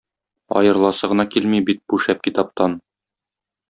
Аерыласы гына килми бит бу шәп китаптан.